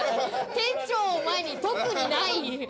店長を前に、特にない。